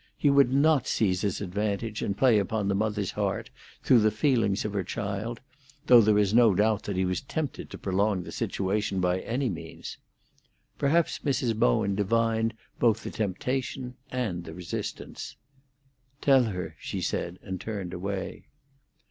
He would not seize his advantage, and play upon the mother's heart through the feelings of her child, though there is no doubt that he was tempted to prolong the situation by any means. Perhaps Mrs. Bowen divined both the temptation and the resistance. "Tell her," she said, and turned away.